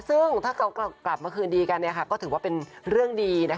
ซึ่งถ้าเขากลับมาคืนดีกันก็ถือว่าเป็นเรื่องดี